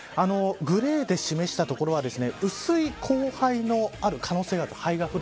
グレーで示した所は薄い降灰のある可能性があります。